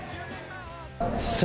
さあ